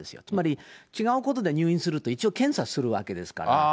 つまり、違うことで入院すると、一応検査するわけですから。